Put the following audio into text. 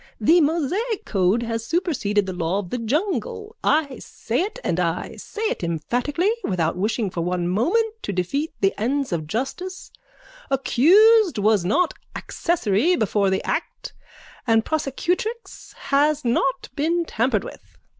The Mosaic code has superseded the law of the jungle. I say it and I say it emphatically, without wishing for one moment to defeat the ends of justice, accused was not accessory before the act and prosecutrix has not been tampered with.